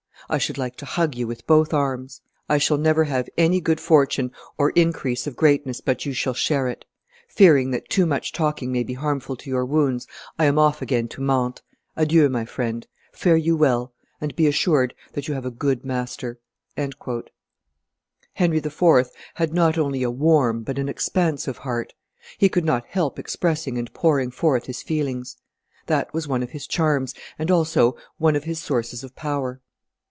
I should like to hug you with both arms. I shall never have any good fortune or increase of greatness but you shall share it. Fearing that too much talking may be harmful to your wounds, I am off again to Mantes. Adieu, my friend; fare you well, and be assured that you have a good master." Henry IV. had not only a warm but an expansive heart; he could not help expressing and pouring forth his feelings. That was one of his charms, and also one of his sources of power.